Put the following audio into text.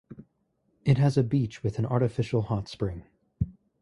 It has a beach with an artificial hot spring.